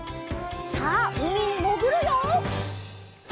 さあうみにもぐるよ！